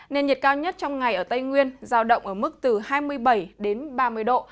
nền nhiệt cao nhất trong ngày ở tây nguyên giao động ở mức từ hai mươi bảy đến ba mươi độ